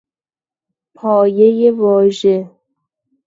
پایهی واژه